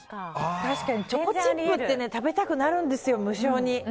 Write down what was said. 確かにチョコチップって食べたくなるんですよ、無性に。